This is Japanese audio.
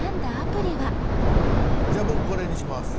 じゃあ僕これにします。